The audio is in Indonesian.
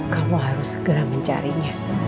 kamu harus segera mencari dia